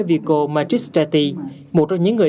vico magistrati một trong những người